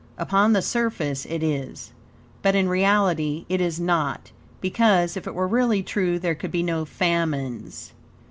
Upon the surface it is, but in reality it is not; because if it were really true there could be no famines.